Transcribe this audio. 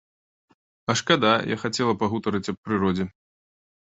А шкада, я хацела пагутарыць аб прыродзе.